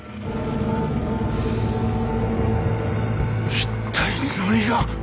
一体何が？